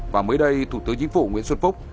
và mới đây thủ tướng chính phủ nguyễn xuân phúc